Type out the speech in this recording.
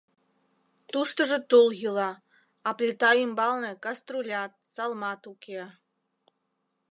Туштыжо тул йӱла, а плита ӱмбалне каструлят, салмат уке.